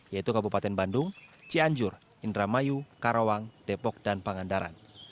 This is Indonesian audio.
yaitu kabupaten bandung cianjur indramayu karawang depok dan pangandaran